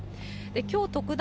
きょう、特段